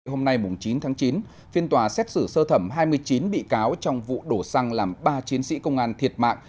hôm nay chín tháng chín phiên tòa xét xử sơ thẩm hai mươi chín bị cáo trong vụ đổ xăng làm ba chiến sĩ công an thiệt mạng